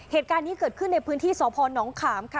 เหตุการณ์นี้เกิดขึ้นในพื้นที่สพนขามค่ะ